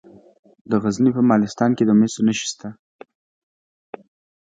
د غزني په مالستان کې د مسو نښې شته.